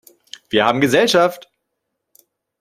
Wir haben Gesellschaft!